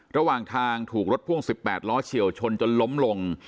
ระหว่างทางถูกรถพ่วง๑๘ล้อเฉียวชนจนล้มลง